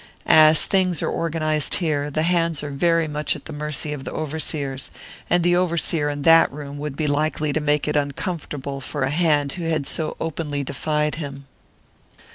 As things are organized here, the hands are very much at the mercy of the overseers, and the overseer in that room would be likely to make it uncomfortable for a hand who had so openly defied him."